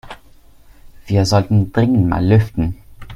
Wir sollten dringend mal lüften.